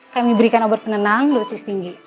kami berikan obat penenang dosis tinggi